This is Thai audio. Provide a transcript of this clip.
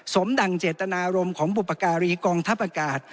ดั่งเจตนารมณ์ของบุปการีกองทัพอากาศ